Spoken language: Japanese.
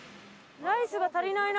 ライスが足りない？